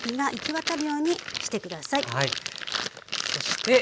そして。